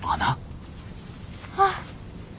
あっ。